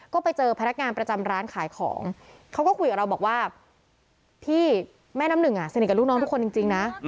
ก็ไปเจอพนักงานประจำร้านขายของเขาก็คุยกับเราบอกว่าพี่แม่น้ำหนึ่งสนิทกับลูกน้องทุกคนจริงนะ